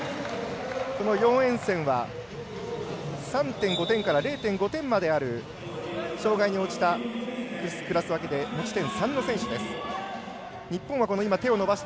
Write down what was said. このヨーエンセンは３．５点から０．５点まである障がいに応じたクラス分けで持ち点３の選手です。